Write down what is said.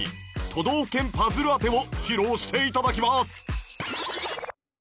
都道府県パズル当てを披露して頂きます